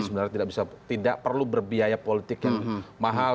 sebenarnya tidak perlu berbiaya politik yang mahal